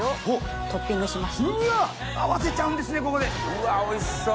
うわっおいしそう。